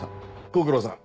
ご苦労さん